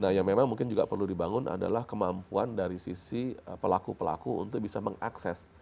nah yang memang mungkin juga perlu dibangun adalah kemampuan dari sisi pelaku pelaku untuk bisa mengakses